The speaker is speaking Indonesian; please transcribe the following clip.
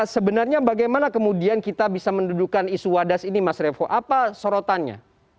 sebenarnya bagaimana kemudian kita bisa mendudukan isu wadas ini mas revo apa sorotannya